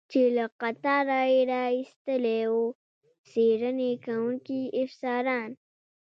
چې له قطاره یې را ایستلی و، څېړنې کوونکي افسران.